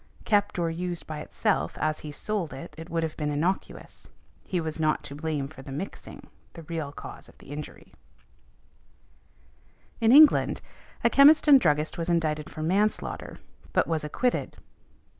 Kept or used by itself, as he sold it, it would have been innocuous. He was not to blame for the mixing, the real cause of the injury . In England , a chemist and druggist was indicted for manslaughter, but was acquitted.